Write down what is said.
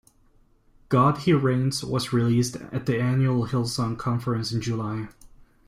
"God He Reigns" was released at the annual Hillsong Conference in July.